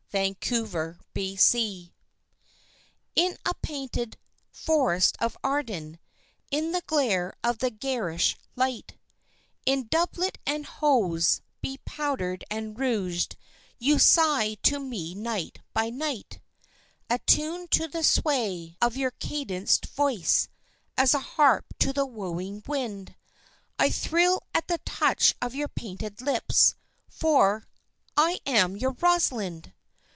In the Play In a painted "Forest of Arden," in the glare of the garish light, In doublet and hose, be powdered and rouged, you sigh to me night by night; Attuned to the sway of your cadenced voice, as a harp to the wooing wind, I thrill at the touch of your painted lips for "_I am your Rosalind!